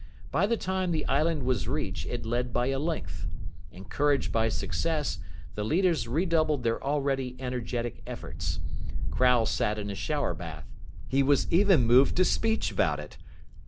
By the time the island was reached, it led by a length. Encouraged by success, the leaders redoubled their already energetic efforts. Crowle sat in a shower bath. He was even moved to speech about it.